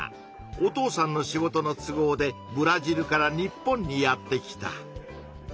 お父さんの仕事の都合でブラジルから日本にやって来た。